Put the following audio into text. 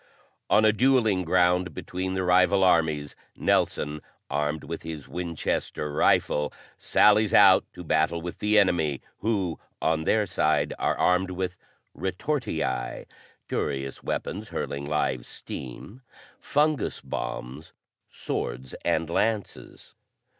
On a dueling ground between the rival armies Nelson, armed with his Winchester rifle, sallies out to battle with the enemy, who, on their side, are armed with retortii curious weapons hurling live steam fungus bombs, swords and lances.